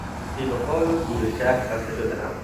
از قیل و قال و دود شهر خسته شدهام.